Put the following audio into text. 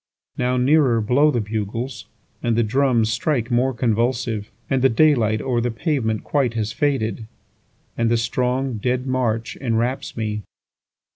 6Now nearer blow the bugles, And the drums strike more convulsive; And the day light o'er the pavement quite has faded, And the strong dead march enwraps me.